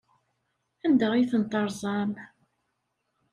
Anda ay tent-terẓam?